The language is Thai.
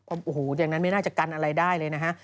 โอ้โหอย่างนั้นไม่น่าจะกันอะไรได้เลยนะฮะ